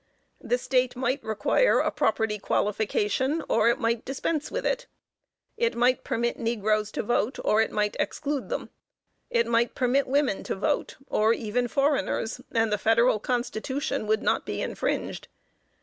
The State might require a property qualification, or it might dispense with it. It might permit negroes to vote, or it might exclude them. It might permit women to vote, or even foreigners, and the federal constitution would not be infringed.